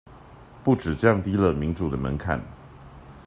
不只降低了民主的門檻